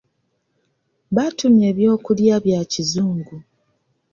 Baatumya eby'okulya bya kizungu.